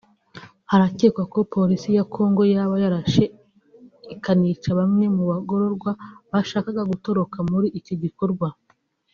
Haracyekwa ko Polisi ya Congo yaba yarashe ikanica bamwe mu bagororwa bashakaga gutoroka muri icyo gikorwa